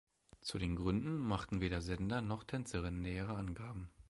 Zu den Gründen machten weder Sender noch Tänzerin nähere Angaben.